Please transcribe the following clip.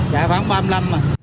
dạ khoảng ba mươi năm mà